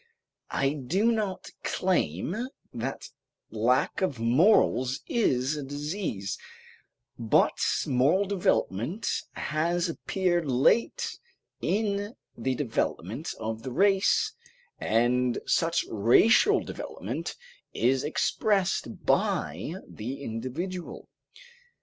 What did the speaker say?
I do not claim that lack of morals is a disease, but moral development has appeared late in the development of the race, and such racial development is expressed by the individual.